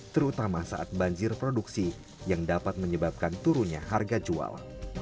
terutama saat banjir produksi yang dapat menyebabkan turunnya harga jual